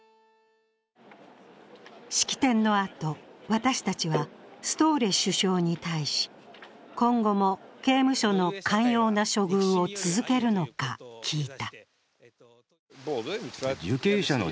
式典のあと、私たちはストーレ首相に対し、今後も刑務所の寛容な処遇を続けるのか聞いた。